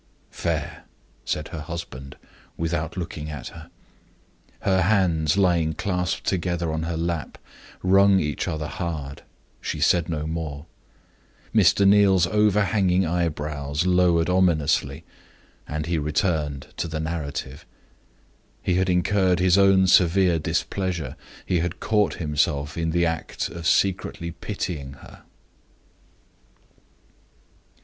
"Fair," said her husband, without looking at her. Her hands, lying clasped together in her lap, wrung each other hard she said no more. Mr. Neal's overhanging eyebrows lowered ominously as he returned to the narrative. He had incurred his own severe displeasure he had caught himself in the act of secretly pitying her.